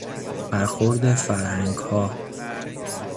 برخورد فرهنگها